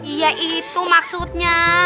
iya itu maksudnya